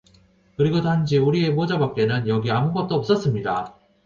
그리고 단지 우리 모자밖에는 여기 아무것도 없었습니다.